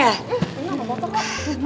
ya enggak apa apa kok